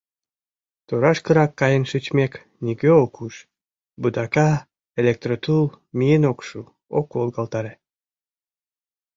Торашкырак каен шичмек, нигӧ ок уж: вудака, электротул миен ок шу, ок волгалтаре».